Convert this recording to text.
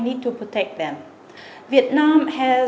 cộng đồng doanh nghiệp việt nam